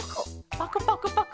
パクパクパク。